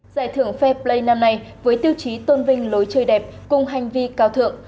giải thưởng fair play năm nay với tiêu chí tôn vinh lối chơi đẹp cùng hành vi cao thượng